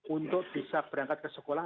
untuk bisa berangkat ke sekolah